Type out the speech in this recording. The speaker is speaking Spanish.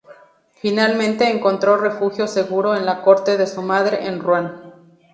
Finalmente encontró refugio seguro en la corte de su madre en Ruan.